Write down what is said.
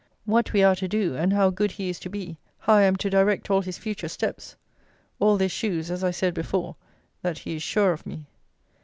'What we are to do, and how good he is to be: how I am to direct all his future steps.' All this shews, as I said before, that he is sure of me.